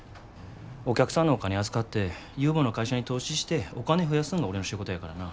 お客さんのお金預かって有望な会社に投資してお金増やすんが俺の仕事やからな。